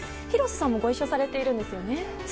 広瀬さんもご一緒されているんですよね。